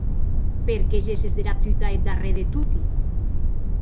Per qué gesses dera tuta eth darrèr de toti?